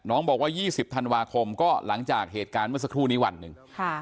น้องบอกว่า๒๐ธันวาคมก็หลังจากเหตุการณ์เมื่อสักครู่นี้วันหนึ่ง